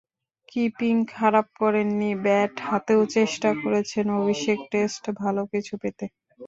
Keeping খারাপ করেননি, bat হাতেও চেষ্টা করেছেন অভিষেক টেস্টে ভালো কিছু পেতে।